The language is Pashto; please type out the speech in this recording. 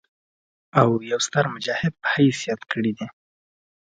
او يو ستر مجاهد پۀ حييث ياد کړي دي